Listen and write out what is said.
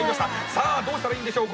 さあどうしたらいいんでしょう？